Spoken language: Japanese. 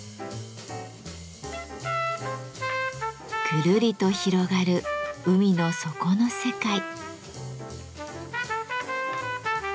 ぐるりと広がる海の底の世界。